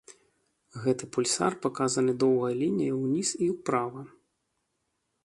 Гэты пульсар паказаны доўгай лініяй уніз і ўправа.